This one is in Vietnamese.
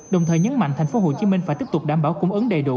đồng thời nhấn mạnh thành phố hồ chí minh phải tiếp tục đảm bảo cung ứng đầy đủ